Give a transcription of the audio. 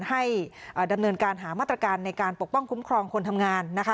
ให้ดำเนินการหามาตรการในการปกป้องคุ้มครองคนทำงานนะคะ